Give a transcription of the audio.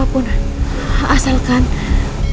asalkan lo mau bantuin perusahaan papa